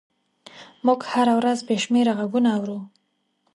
موږ هره ورځ بې شمېره غږونه اورو.